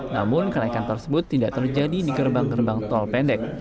namun kenaikan tersebut tidak terjadi di gerbang gerbang tol pendek